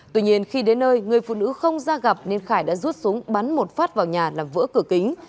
tuy nhiên khi đến nơi người phụ nữ không ra gặp nên khải đã rút súng bắn một phát vào nhà làm vỡ cửa kính